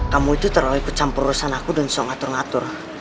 kamu itu terlalu ikut campur urusan aku dan sok ngatur ngatur